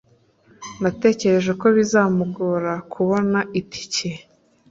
natekereje ko bizamugora kubona itike